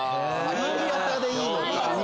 新潟でいいのか！